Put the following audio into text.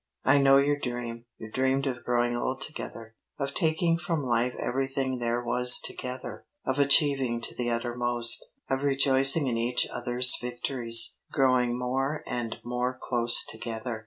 "I know your dream. You dreamed of growing old together; of taking from life everything there was together; of achieving to the uttermost; of rejoicing in each other's victories, growing more and more close together.